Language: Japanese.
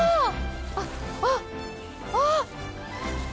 あっあっあ。